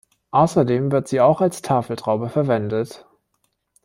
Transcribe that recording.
Außerdem wird sie auch als Tafeltraube verwendet.